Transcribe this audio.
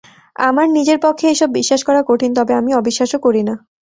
আমার নিজের পক্ষে এইসব বিশ্বাস করা কঠিন, তবে আমি অবিশ্বাসও করি না।